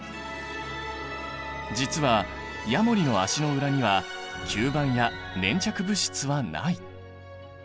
実はヤモリの足の裏には吸盤や粘着物質はない。